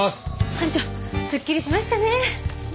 班長すっきりしましたね！